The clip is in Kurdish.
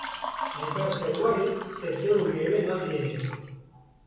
Ji ber sermayê sebze û mêwe nagihêjin.